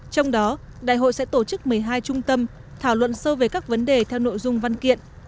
trong đó đại hội sẽ tổ chức một mươi hai trung tâm thảo luận sâu về các vấn đề theo nội dung văn kiện